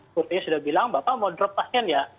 sepertinya sudah bilang bapak mau drop pasien ya